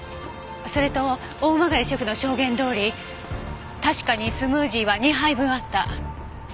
それと大曲シェフの証言どおり確かにスムージーは２杯分あった。